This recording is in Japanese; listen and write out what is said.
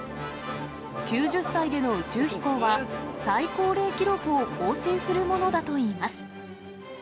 ９０歳での宇宙飛行は、最高齢記録を更新するものだといいます。